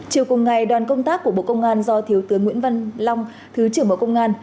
chiều cùng ngày đoàn công tác của bộ công an do thiếu tướng nguyễn văn long thứ trưởng bộ công an